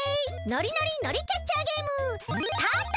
ノリノリ海苔キャッチャーゲームスタート！